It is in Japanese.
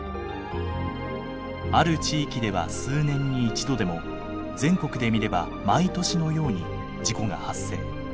ある地域では数年に一度でも全国で見れば毎年のように事故が発生。